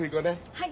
はい。